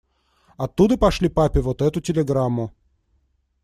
Оттуда пошли папе вот эту телеграмму.